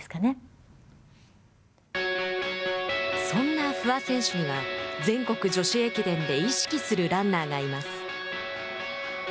そんな不破選手には全国女子駅伝で意識するランナーがいます。